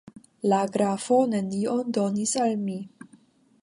La grafo nenion donis al mi.